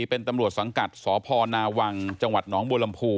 เป็นตำรวจสังกัดสพนาวังจนบ